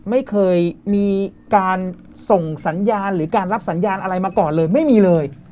ไม่เคยมีการส่งสัญญาณหรือการรับสัญญาณอะไรมาก่อนเลยไม่มีเลย